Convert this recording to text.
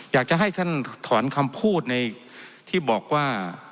อยากจะให้ท่านถอนคำพูดในที่บอกว่า